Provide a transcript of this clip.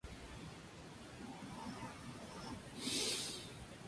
Los artículos eran comprados principalmente por la emergente clase media.